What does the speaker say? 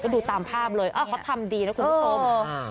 ก็ดูตามภาพเลยเขาทำดีแล้วคุณโครม